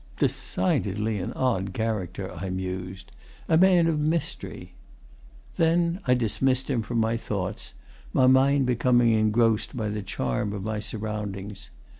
"Decidedly an odd character," I mused. "A man of mystery!" Then I dismissed him from my thoughts, my mind becoming engrossed by the charm of my surroundings.